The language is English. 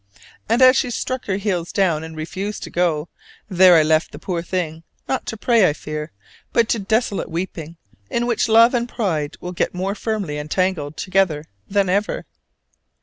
And as she stuck her heels down and refused to go, there I left the poor thing, not to prayer, I fear, but to desolate weeping, in which love and pride will get more firmly entangled together than ever.